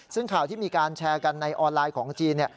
ซึ่งข่าวที่มีการแชร์กันในออนไลน์ของจีน